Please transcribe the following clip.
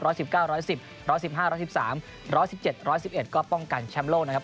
ลายนี้ก็เหนียวปึ๊กเหมือนกันนะครับแล้วยังยากหรอ